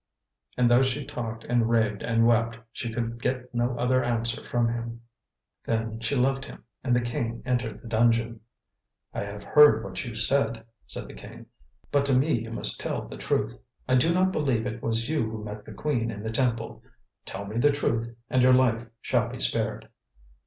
And though she talked and raved and wept, she could get no other answer from him. Then she left him, and the King entered the dungeon. "I have heard what you said," said the King, "but to me you must tell the truth. I do not believe it was you who met the Queen in the temple; tell me the truth, and your life shall be spared."